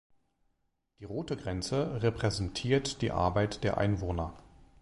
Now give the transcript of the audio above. Die rote Grenze repräsentiert die Arbeit der Einwohner.